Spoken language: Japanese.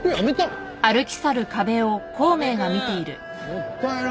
もったいな。